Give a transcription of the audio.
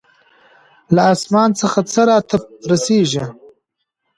له آسمان څخه څه راته رسېږي.